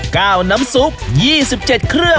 กล้าน้ำซูป๒๗เครื่อง